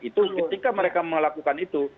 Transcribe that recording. itu ketika mereka melakukan itu